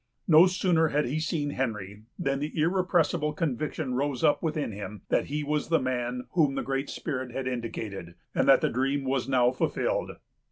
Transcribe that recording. No sooner had he seen Henry, than the irrepressible conviction rose up within him, that he was the man whom the Great Spirit had indicated, and that the dream was now fulfilled.